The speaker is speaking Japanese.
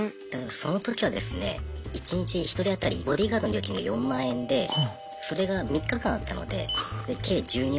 その時はですね一日１人当たりボディーガードの料金が４万円でそれが３日間あったので計１２万。